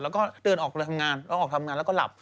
แล้วก็เดินออกไปทำงานแล้วออกทำงานแล้วก็หลับ